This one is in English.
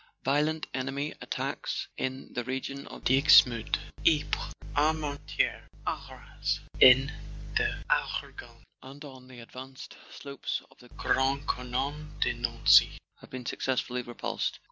"Violent enemy attacks in the region of Dixmude, Ypres, Armentieres, Arras, in the Argonne, and on the advanced slopes of the Grand Couronne de Nancy, have been successfully repulsed.